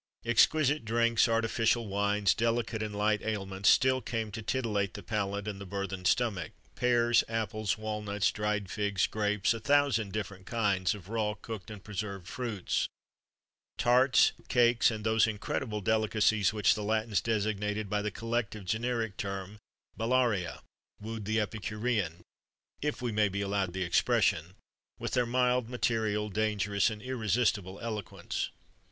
Exquisite drinks, artificial wines, delicate and light aliments,[XXXV 83] still came to titillate the palate and the burthened stomach pears, apples, walnuts, dried figs, grapes;[XXXV 84] a thousand different kinds of raw, cooked, and preserved fruits; tarts, cakes, and those incredible delicacies which the Latins designated by the collective generic term bellaria, wooed the epicurean if we may be allowed the expression with their mild, material, dangerous, and irresistible eloquence.